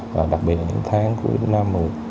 và đặc biệt là những tháng cuối năm